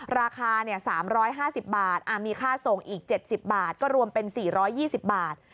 ราคา๓๕๐บาทมีค่าส่งอีก๗๐บาทก็รวมเป็น๔๒๐บาท